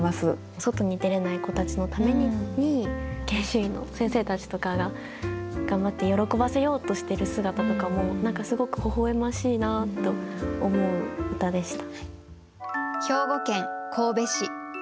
外に出れない子たちのために研修医の先生たちとかが頑張って喜ばせようとしている姿とかも何かすごくほほ笑ましいなと思う歌でした。